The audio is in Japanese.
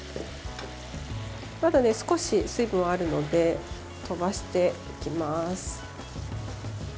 まだ少し水分があるので飛ばしていきます。